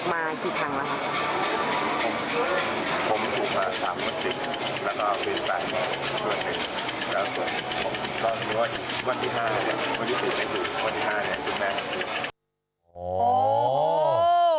ก็เลยคิดว่าฉันผมชอบ